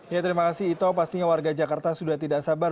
ya terima kasih ito pastinya warga jakarta sudah tidak sabar